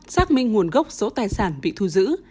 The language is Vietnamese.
xác minh nguồn gốc số tài sản bị thu giữ